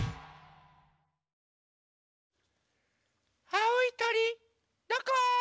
あおいとりどこ？